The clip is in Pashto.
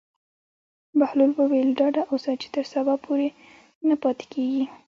بهلول وویل: ډاډه اوسه چې تر سبا پورې نه پاتې کېږي.